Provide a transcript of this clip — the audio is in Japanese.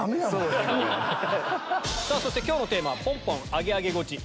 そして今日のテーマポンポンアゲアゲゴチ。